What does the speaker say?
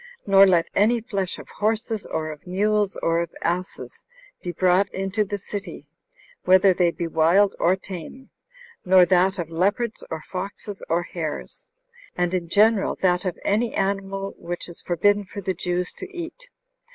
Nor let any flesh of horses, or of mules, or of asses, he brought into the city, whether they be wild or tame; nor that of leopards, or foxes, or hares; and, in general, that of any animal which is forbidden for the Jews to eat.